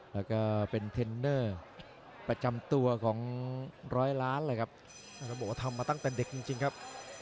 และก็เป็นเทนเด้อประจำตัวของร้อยล้านครับ